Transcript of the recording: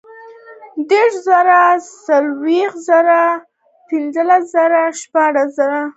دېرش زره ، څلوېښت زره ، پنځوس زره ، شپېته زره